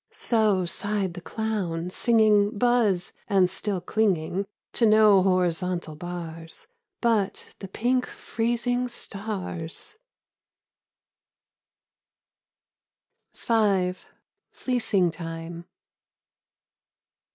" So sighed the clown, singing Buzz, and still clinging To no horizontal bars. But the pink freezing stars I 104 EDITH SnWliLL Q V FLEECING TIME.